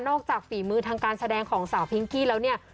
จากฝีมือทางการแสดงของสาวพิงกี้แล้วเนี่ย